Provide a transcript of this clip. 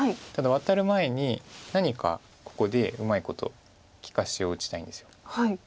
ただワタる前に何かここでうまいこと利かしを打ちたいんです。